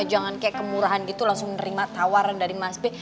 jangan kayak kemurahan gitu langsung nerima tawaran dari mas b